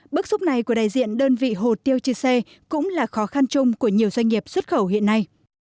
bức xúc này của đại diện đơn vị hồ tiêu chư sê cũng là khó khăn chung của nhiều doanh nghiệp xuất khẩu hiện nay